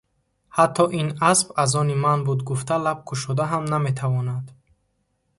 Ҳатто ин асп аз они ман буд гуфта лаб кушода ҳам наметавонад.